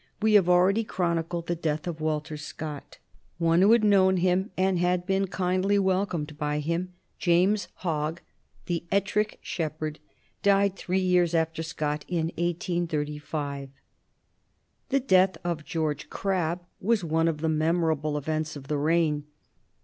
We have already chronicled the death of Walter Scott. One who had known him and had been kindly welcomed by him, James Hogg, the Ettrick Shepherd, died three years after Scott in 1835. The death of George Crabbe was one of the memorable events of the reign.